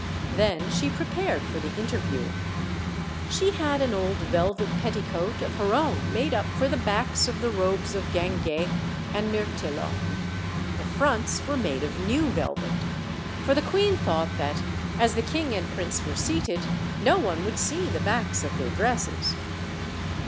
Then she prepared for the interview. She had an old velvet petticoat of her own made up for the backs of the robes of Guinguet and Mirtillo; the fronts were made of new velvet; for the queen thought that as the king and prince were seated, no one would see the backs of their dresses.